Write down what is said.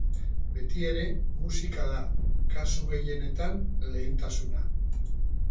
Beti ere, musika da, kasu gehienetan, lehentasuna.